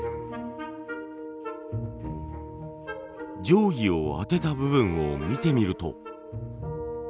定規を当てた部分を見てみると。